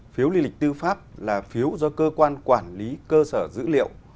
phiếu lý lịch tư pháp là phiếu do cơ quan quản lý cơ sở dữ liệu